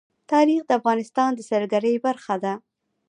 تاریخ د افغانستان د سیلګرۍ برخه ده.